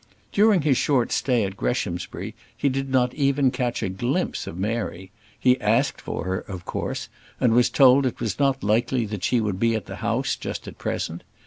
During his short stay at Greshamsbury he did not even catch a glimpse of Mary. He asked for her, of course, and was told that it was not likely that she would be at the house just at present.